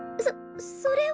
そそれは。